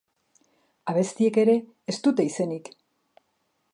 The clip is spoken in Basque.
Abestiek ere ez dute izenik.